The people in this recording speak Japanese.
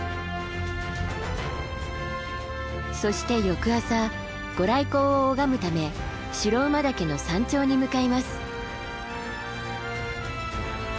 そして翌朝御来光を拝むため白馬岳の山頂に向かいます。